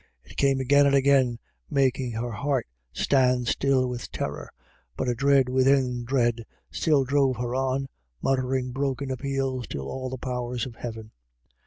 It came again and again, making 186 IRISH IDYLLS. her heart stand still with terror, but a dread within dread still drove her on, muttering broken appeals to all the powers of heaven.